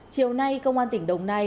chiều nay công an tỉnh đồng nai